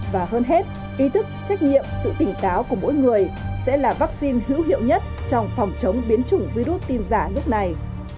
và hơn hết ý thức trách nhiệm sự tỉnh táo của mỗi người sẽ là vaccine hữu hiệu nhất trong phòng chống biến chủng virus tin giả lúc này